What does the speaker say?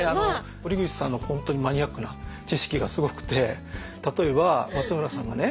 堀口さんの本当にマニアックな知識がすごくて例えば松村さんがね